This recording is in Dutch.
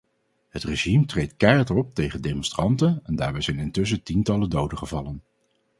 Het regime treedt keihard op tegen demonstranten en daarbij zijn intussen tientallen doden gevallen.